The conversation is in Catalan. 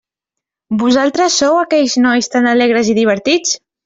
Vosaltres sou aquells nois tan alegres i divertits?